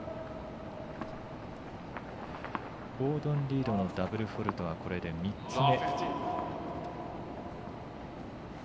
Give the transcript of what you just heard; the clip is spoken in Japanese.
ゴードン・リードのダブルフォールトはこれで３つ目。